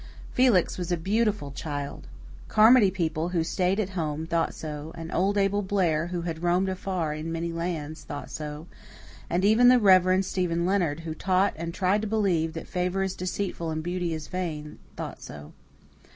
Felix was a beautiful child. Carmody people, who stayed at home, thought so; and old Abel Blair, who had roamed afar in many lands, thought so; and even the Rev. Stephen Leonard, who taught, and tried to believe, that favour is deceitful and beauty is vain, thought so.